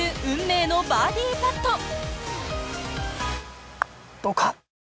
運命のバーディパット。